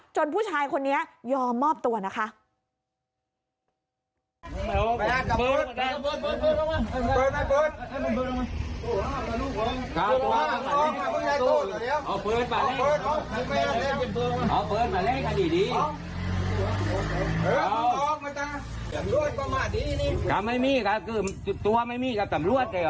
ผู้ชายคนนี้ยอมมอบตัวนะคะ